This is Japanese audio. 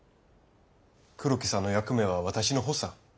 黒木さんの役目は私の補佐。